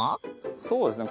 そうですね